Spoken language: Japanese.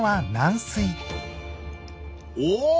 お！